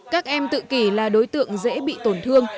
các em tự kỷ là đối tượng dễ bị tổn thương